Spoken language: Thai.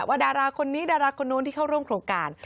ดาราคนนี้ดาราคนนู้นที่เข้าร่วมโครงการ